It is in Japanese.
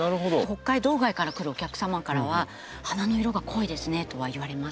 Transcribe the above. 北海道外から来るお客様からは「花の色が濃いですね」とは言われますね。